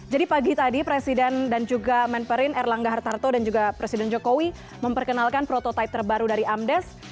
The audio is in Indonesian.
jadi pagi tadi presiden dan juga menperin erlangga hartarto dan juga presiden jokowi memperkenalkan prototipe terbaru dari amdes